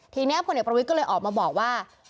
ทีนี้พลเอกประวิทย์ก็เลยออกมาบอกว่า